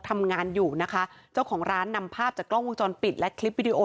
ทำงานอยู่ค่ะเจ้าของร้านนำภาพจากกล้องคลิปวีดีโอ